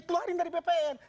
keluarin dari bpn